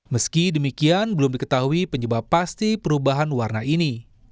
meski demikian belum diketahui penyebab pasti perubahan warna ini